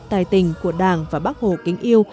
tài tình của đảng và bác hồ kính yêu